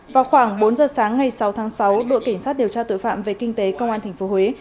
vào khoảng bốn giờ sáng ngày sáu tháng sáu đội cảnh sát điều tra tội phạm về kinh tế công an tp huế